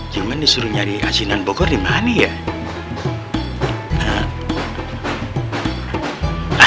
jangan disuruh nyari asinan bogor dimana ya